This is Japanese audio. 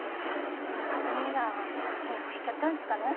このハサミがやる気なくしちゃったんすかね。